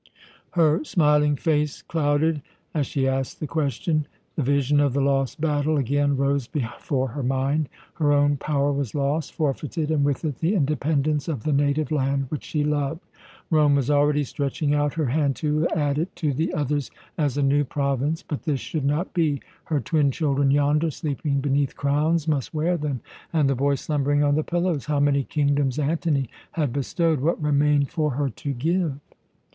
Her smiling face clouded as she asked the question. The vision of the lost battle again rose before her mind. Her own power was lost, forfeited, and with it the independence of the native land which she loved. Rome was already stretching out her hand to add it to the others as a new province. But this should not be! Her twin children yonder, sleeping beneath crowns, must wear them! And the boy slumbering on the pillows? How many kingdoms Antony had bestowed! What remained for her to give?